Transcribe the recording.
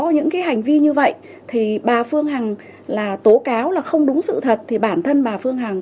những cái hành vi như vậy thì bà phương hằng là tố cáo là không đúng sự thật thì bản thân bà phương hằng